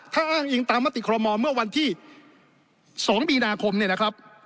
ถ้าอ้างอิงตามมติคอรมอลเมื่อวันที่๒มีนาคมเนี่ยนะครับ